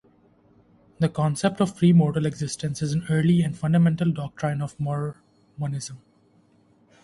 The concept of premortal existence is an early and fundamental doctrine of Mormonism.